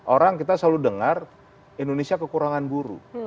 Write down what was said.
orang kita selalu dengar indonesia kekurangan buruh